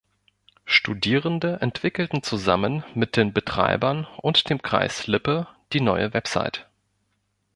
Studierende entwickelten zusammen mit den Betreibern und dem Kreis Lippe die neue Website.